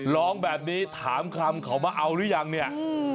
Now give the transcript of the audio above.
ร้องแบบนี้ถามคำเขามาเอาหรือยังเนี่ย